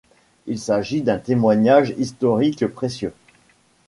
Il s'agit d'un témoignage historique précieux.